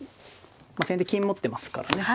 先手金持ってますからね